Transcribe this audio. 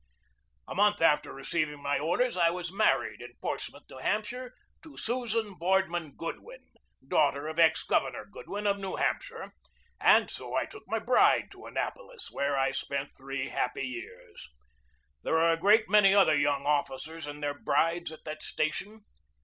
A month after receiving my orders I was mar ried in Portsmouth, N. H., to Susan Boardman Goodwin, daughter of ex Governor Goodwin, of New Hampshire; and so I took my bride to Annapolis, i 4 2 GEORGE DEWEY where I spent three happy years. There were a great many other young officers and their brides at that station.